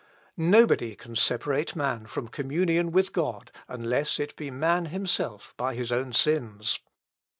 Nobody can separate man from communion with God unless it be man himself by his own sins!